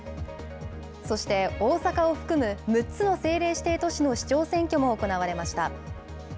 そして大阪を含む６つの政令指定都市の市長選挙も行われました。